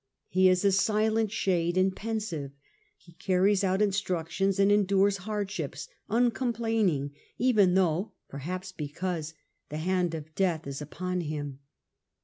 He is a silent shade and pensive ; he carries out instructions and endures hard ships, uncomplaining even though — ^perhaps, because — the hand of death is upon him.